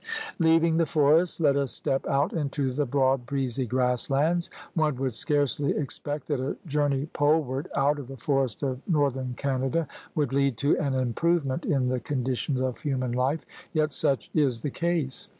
Leaving the forests, let us step out into the broad, breezy grass lands. One would scarcely ex pect that a journey poleward out of the forest of northern Canada would lead to an improvement in the conditions of human life, yet such is the case.